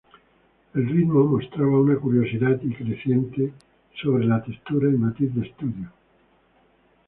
El ritmo mostraba una curiosidad creciente sobre la textura y matiz de estudio".